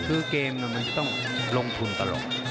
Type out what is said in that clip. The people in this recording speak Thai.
คือเกมมันจะต้องลงทุนกระโลก